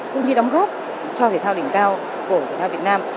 cũng như đóng góp cho thể thao đỉnh cao của thể thao việt nam